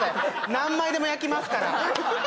何枚でも焼きますから。